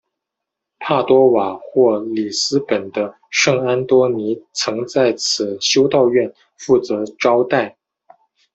帕多瓦或里斯本的圣安多尼曾在此修道院负责招待。